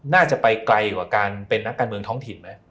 น่าจะไปไกลกว่าการเป็นนักการเมืองท้องถิ่นไหม